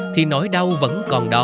thì nỗi đau vẫn là nỗi đau của bọn mình